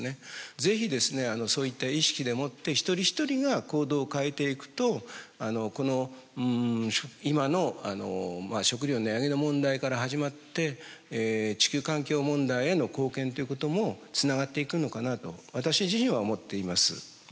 是非ですねそういった意識でもって一人一人が行動を変えていくとこの今の食料値上げの問題から始まって地球環境問題への貢献ということもつながっていくのかなと私自身は思っています。